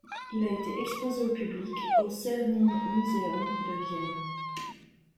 Il a été exposé au public au Czernin Museum de Vienne.